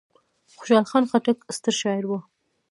خوشحال خان خټک ستر شاعر و.